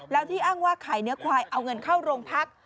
แล้วที่อ้างว่าขายเนื้อควายเอาเงินเข้าโรงพัก